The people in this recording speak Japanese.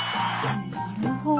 なるほど。